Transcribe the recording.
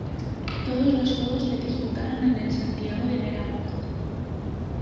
Todos los juegos se disputaron en el en Santiago de Veraguas.